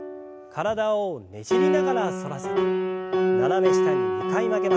体をねじりながら反らせて斜め下に２回曲げます。